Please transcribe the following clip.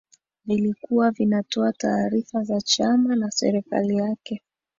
vilikuwa vinatoa taarifa za chama na serikali yake tu